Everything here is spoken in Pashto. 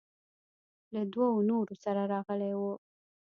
له دوو نورو سره راغلى و.